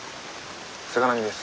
菅波です。